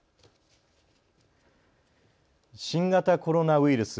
新型コロナウイルス。